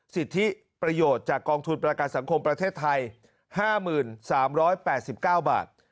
สิทธิประโยชน์จากกองทุนประกันสังคมประเทศไทย๕๓๘๙บาท